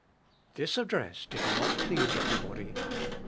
] This address did not please every body.